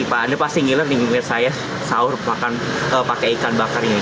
tuh anda pasti ngiler nih menurut saya sahur pakai ikan bakar ini